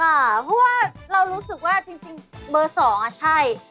เพราะว่าเรารู้สึกว่าจริงเบอร์๒อ่ะใช่